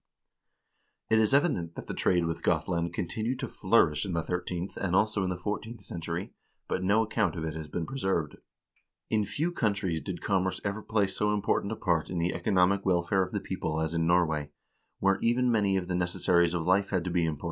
4 It is evident that the trade with Gothland continued to flourish in the thirteenth and also in the fourteenth century, but no account of it has been preserved. In few countries did commerce ever play so important a part in the economic welfare of the people as in Norway, where even many of the necessaries of life had to be imported.